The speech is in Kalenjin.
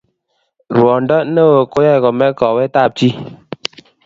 ruondo neoo ko yae kome kowetab chi